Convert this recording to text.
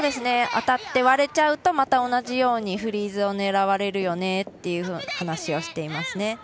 当たって、割れちゃうとまた同じようにフリーズを狙われるよねという話をしていますね。